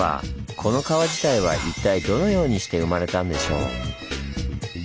この川自体は一体どのようにして生まれたんでしょう？